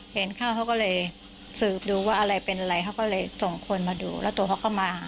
เห็นเข้าเขาก็เลยสืบดูว่าอะไรเป็นอะไรเขาก็เลยส่งคนมาดูแล้วตัวเขาก็มา